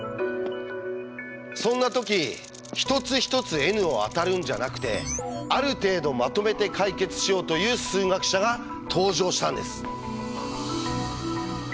そんな時一つ一つｎを当たるんじゃなくてある程度まとめて解決しようという数学者が登場したんです。